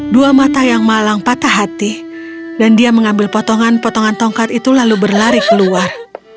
dua mata yang malang patah hati dan dia mengambil potongan potongan tongkat itu lalu berlari keluar